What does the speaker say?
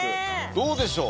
どうでしょう？